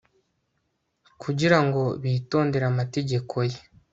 kugira ngo bitondere amategeko ye